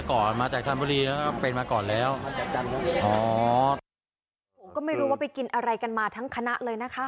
ผมก็ไม่รู้ว่าไปกินอะไรกันมาทั้งคณะเลยนะคะ